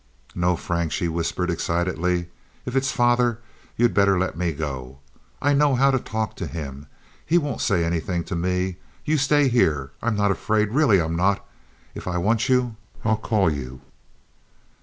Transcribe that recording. "No, Frank," she whispered, excitedly; "if it's father, you'd better let me go. I know how to talk to him. He won't say anything to me. You stay here. I'm not afraid—really, I'm not. If I want you, I'll call you."